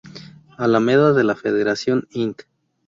Alameda de la Federación, Int.